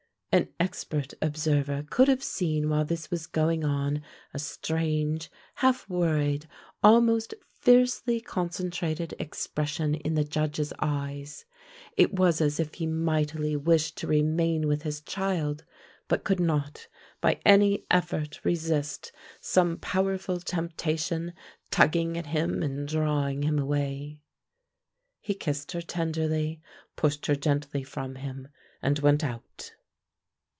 An expert observer could have seen while this was going on a strange, half worried, almost fiercely concentrated expression in the Judge's eyes. It was as if he mightily wished to remain with his child, but could not by any effort resist some powerful temptation tugging at him and drawing him away. He kissed her tenderly, pushed her gently from him and went out.